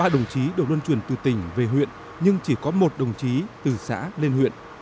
ba đồng chí được luân chuyển từ tỉnh về huyện nhưng chỉ có một đồng chí từ xã lên huyện